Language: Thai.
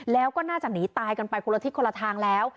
แล้วก็น่าจะหนีตายกันไปคนละทิศคนละทางแล้ว